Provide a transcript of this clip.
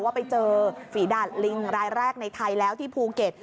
ว่าไปเจอฝีดาดลิงรายแรกในไทยแล้วที่ภูเก็ต